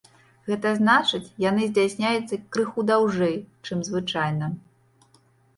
Гэта значыць, яны здзяйсняюцца крыху даўжэй, чым звычайна.